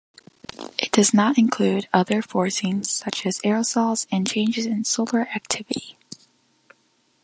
It does not include other forcings, such as aerosols and changes in solar activity.